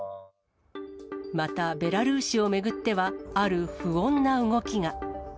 また、ベラルーシを巡っては、ある不穏な動きが。